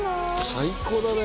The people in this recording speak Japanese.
最高だね